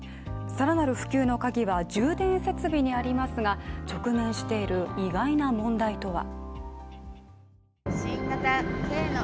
更なる普及の鍵は充電設備にありますが、直面している意外な問題とは。